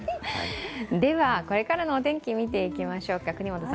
これからのお天気見ていきましょうか。